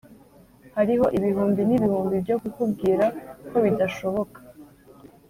hariho ibihumbi n'ibihumbi byo kukubwira ko bidashoboka,